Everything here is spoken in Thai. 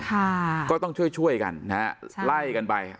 ค่ะก็ต้องช่วยช่วยกันนะฮะไล่กันไป